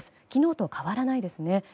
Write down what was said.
昨日と変わらないですね。